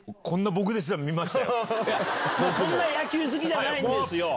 そんな野球好きじゃないんですよ。